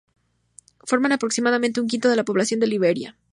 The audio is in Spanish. Forman aproximadamente un quinto de la población de Liberia.